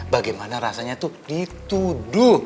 bagaimana rasanya itu dituduh